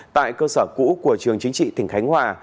tại cơ sở cũ của trường chính trị tỉnh khánh hòa